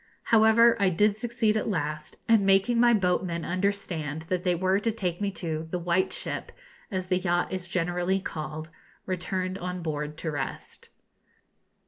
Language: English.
However, I did succeed at last, and making my boatmen understand that they were to take me to 'the white ship,' as the yacht is generally called, returned on board to rest.